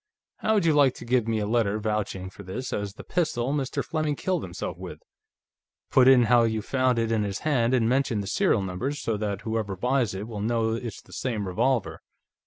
How would you like to give me a letter, vouching for this as the pistol Mr. Fleming killed himself with? Put in how you found it in his hand, and mention the serial numbers, so that whoever buys it will know it's the same revolver."